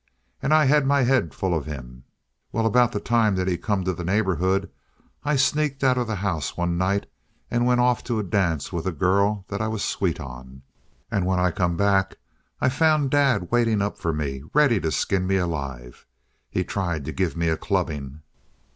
And I had my head full of him. Well, about the time that he come to the neighborhood, I sneaked out of the house one night and went off to a dance with a girl that I was sweet on. And when I come back, I found Dad waiting up for me ready to skin me alive. He tried to give me a clubbing.